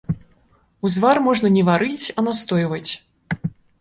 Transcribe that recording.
Узвар можна не варыць, а настойваць.